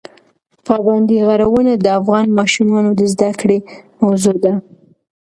پابندي غرونه د افغان ماشومانو د زده کړې موضوع ده.